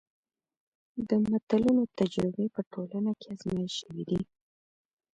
د متلونو تجربې په ټولنه کې ازمایل شوي دي